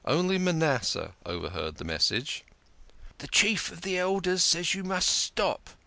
Only Manasseh overheard the message. " The Chief of the Elders says you must stop.